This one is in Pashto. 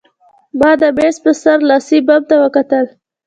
ما د مېز په سر لاسي بم ته وکتل